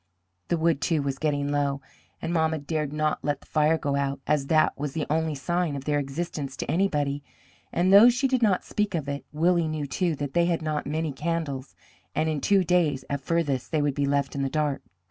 The wood, too, was getting low, and mamma dared not let the fire go out, as that was the only sign of their existence to anybody; and though she did not speak of it, Willie knew, too, that they had not many candles, and in two days at farthest they would be left in the dark.